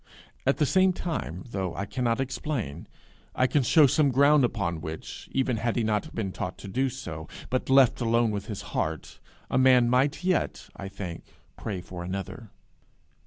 At the same time, though I cannot explain, I can show some ground upon which, even had he not been taught to do so, but left alone with his heart, a man might yet, I think, pray for another.